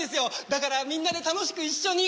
だからみんなで楽しく一緒に。